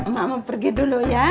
mama pergi dulu ya